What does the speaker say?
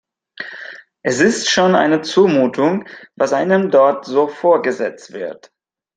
Es ist schon eine Zumutung, was einem dort so vorgesetzt wird.